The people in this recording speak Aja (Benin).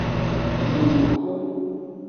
Zodohu.